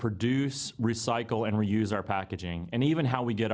kita bersama dengan orang lain memiliki tanggung jawab